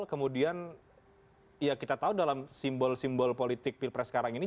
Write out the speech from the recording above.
kemudian ya kita tahu dalam simbol simbol politik pilpres sekarang ini